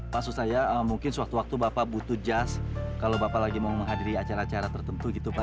maksud saya mungkin sewaktu waktu bapak butuh jas kalau bapak lagi mau menghadiri acara acara tertentu gitu pak